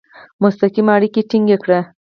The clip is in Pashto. مستقیم اړیکي ټینګ کړي.